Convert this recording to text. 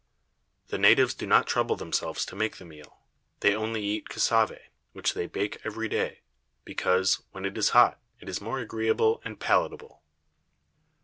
The Natives do not trouble themselves to make the Meal; they only eat Cassave, which they bake every day, because, when it is hot, it is more agreeable and palatable.